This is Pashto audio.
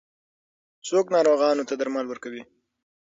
څوک ناروغانو ته درمل ورکوي؟